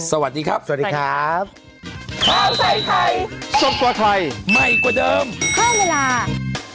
สวัสดีครับสวัสดีครับสวัสดีครับ